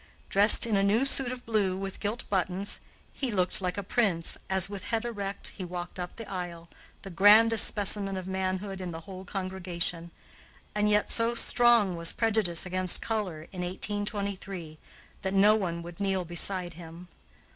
Dressed in a new suit of blue with gilt buttons, he looked like a prince, as, with head erect, he walked up the aisle, the grandest specimen of manhood in the whole congregation; and yet so strong was prejudice against color in 1823 that no one would kneel beside him.